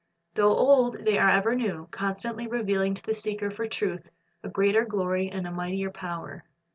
Though old, they are ever new, constantly revealing to the seeker for truth a greater glory and a mightier power.